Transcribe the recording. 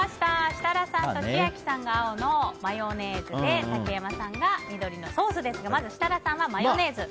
設楽さんと千秋さんが青のマヨネーズで竹山さんが緑のソースですがまず、設楽さんがマヨネーズ。